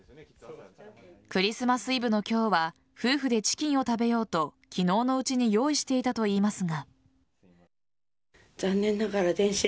クリスマスイブの今日は夫婦でチキンを食べようと昨日のうちに用意していたといいますが。